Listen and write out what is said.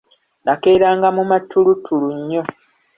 Nakeeranga mu mattuluttulu nnyo.